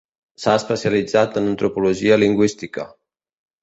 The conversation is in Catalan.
S'ha especialitzat en antropologia lingüística.